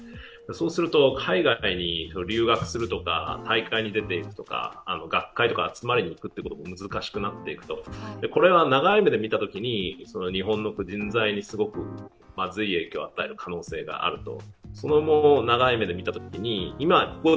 そうすると、海外に留学するとか、大会に出るとか、学会とか集まりにいくっていうのも難しくなっていくと、これは長い目で見たときに日本の人材にすごく髄液を与える可能性があると。